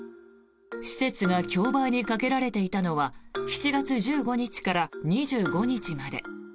施設が競売にかけられていたのは７月１５日から２５日まで。